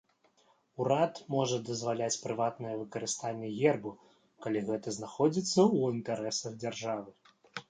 Урад можа дазваляць прыватнае выкарыстанне гербу, калі гэта знаходзіцца ў інтарэсах дзяржавы.